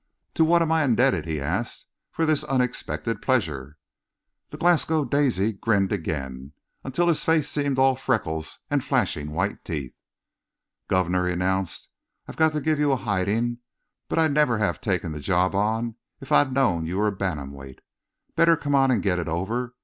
"To what am I indebted," he asked, "for this unexpected pleasure?" The Glasgow Daisy grinned again, until his face seemed all freckles and flashing white teeth. "Guv'nor," he announced, "I've got to give you a hiding, but I'd never have taken the job on if I'd known you were a bantam weight. Better come on and get it over.